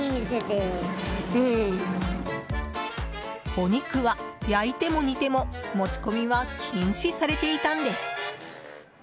お肉は、焼いても煮ても持ち込みは禁止されていたんです。